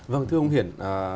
vâng thưa ông hiển